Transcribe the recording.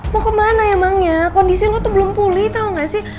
mau kemana emangnya kondisi lo tuh belum pulih tau gak sih